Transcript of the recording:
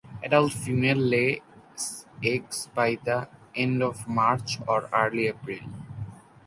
Adult female lays eggs by the end of March or early April.